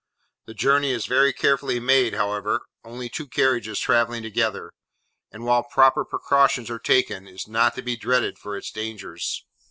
The journey is very carefully made, however; only two carriages travelling together; and while proper precautions are taken, is not to be dreaded for its dangers.